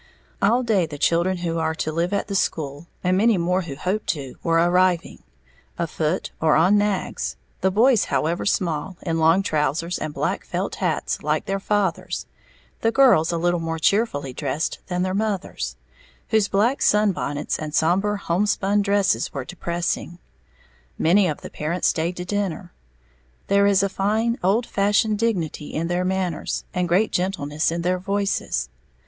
All day the children who are to live in the school, and many more who hope to, were arriving, afoot or on nags, the boys, however small, in long trousers and black felt hats like their fathers, the girls a little more cheerfully dressed than their mothers, whose black sun bonnets and somber homespun dresses were depressing. Many of the parents stayed to dinner. There is a fine, old fashioned dignity in their manners, and great gentleness in their voices.